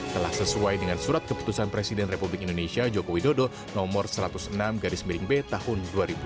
telah sesuai dengan surat keputusan presiden republik indonesia joko widodo nomor satu ratus enam garis miring b tahun dua ribu dua puluh